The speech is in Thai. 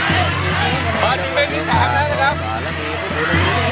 ภาธิเมนที่๓แล้วนะครับ